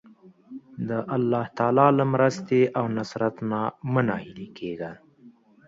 د الله تعالی له مرستې او نصرت نه مه ناهیلی کېږه.